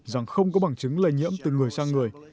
rằng không có bằng chứng lây nhiễm từ người sang người